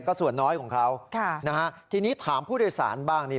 ก็ส่วนน้อยของเขานะฮะทีนี้ถามผู้โดยสารบ้างนี่